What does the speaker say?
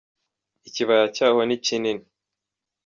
ikibaya cyaho ni kinini.